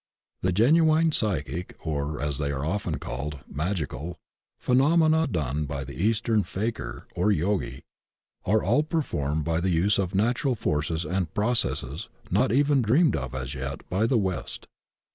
The genuine psychic — or, as they are often called, magical — ^phenomena done by the Eastern faquir or yogi are all performed by the use of natural forces and processes not even dreamed of as yet by the West.